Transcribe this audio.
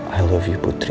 aku cintamu putri